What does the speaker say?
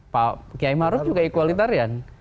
pak kiai maruf juga equalitarian